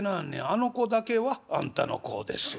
あの子だけはあんたの子です』。